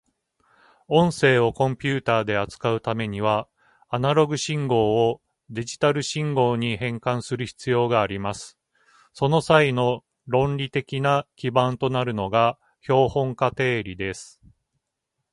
音声をコンピュータで扱うためには、アナログ信号をデジタル信号に変換する必要があります。その際の理論的な基盤となるのが標本化定理です。